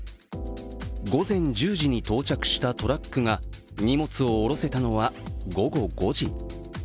午前１０時に到着したトラックが荷物をおろせたのは午後５時。